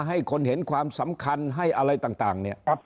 ให้คนเห็นความสำคัญให้อะไรต่างเนี่ย